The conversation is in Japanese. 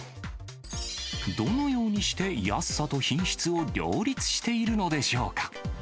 どのようにして安さと品質を両立しているのでしょうか。